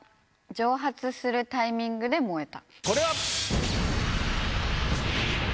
蒸発するタイミングで燃えた？